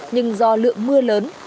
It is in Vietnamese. nhưng do lượng mưa lớn